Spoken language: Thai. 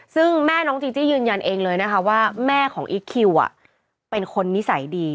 ซึ่งแม่น้องจีจี้ยืนยันเองเลยนะคะว่าแม่ของอีคคิวเป็นคนนิสัยดี